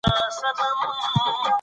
د پاکو لوښو کارول مهم دي.